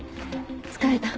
疲れた？